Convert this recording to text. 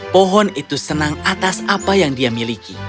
pohon itu senang atas apa yang dia miliki